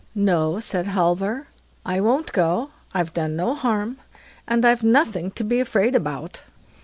"No", said Halvor, "I won't go, I've done no harm, and I've nothing to be afraid about."